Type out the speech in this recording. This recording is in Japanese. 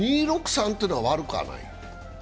２．６３というのは悪くはない？